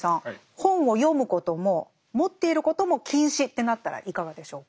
本を読むことも持っていることも禁止ってなったらいかがでしょうか。